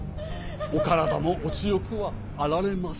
お体もお強くはあられませず。